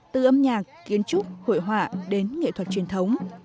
từ âm nhạc kiến trúc hội họa đến nghệ thuật truyền thống